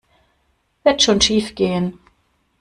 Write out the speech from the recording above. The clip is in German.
Wird schon schiefgehen.